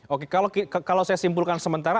oke kalau saya simpulkan sementara